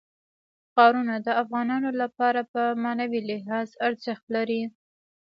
ښارونه د افغانانو لپاره په معنوي لحاظ ارزښت لري.